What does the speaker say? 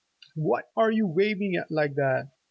"What are you waving at like that?"